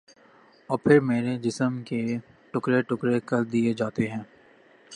اور پھر میرے جسم کے ٹکڑے ٹکڑے کر دیے جاتے ہیں